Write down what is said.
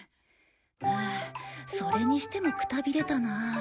ハアそれにしてもくたびれたな。